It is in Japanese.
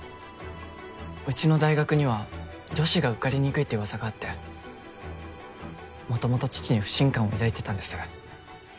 ウチの大学には「女子が受かりにくい」って噂があって元々父に不信感を抱いていたんです。